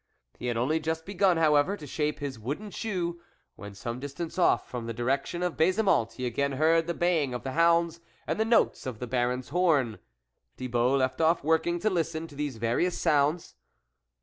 He had only just begun, however, to shape his wooden shoe, when, some dis tance off, from the direction of Baise mont, he again heard the baying of the hounds, and the notes of the Baron's horn. Thibault left off working to listen to these various sounds.